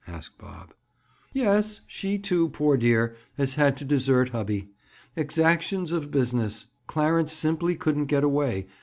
asked Bob. "Yes. She, too, poor dear, has had to desert hubby. Exactions of business! Clarence simply couldn't get away.